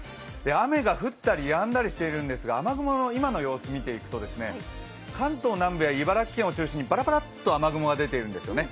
雨が降ったりやんだりしてるんですが雨雲の今の様子、見ていくと関東南部や茨城県を中心にバラバラッとした雨雲が出ているんですね。